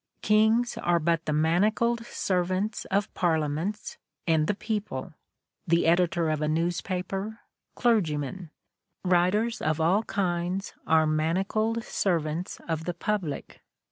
Kings are but the manacled servants of parliaments and the people ... the editor of a newspaper ... clergymen ... writers of all kinds are manacled servants of the public.